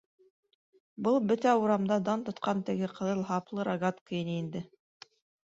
Был - бөтә урамда дан тотҡан теге ҡыҙыл һаплы рогатка ине инде.